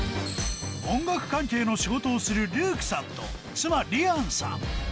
音楽関係の仕事をするルークさんと妻・リアンさん